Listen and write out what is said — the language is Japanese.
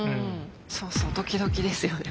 そうそうドキドキですよね